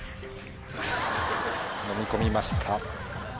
のみ込みました。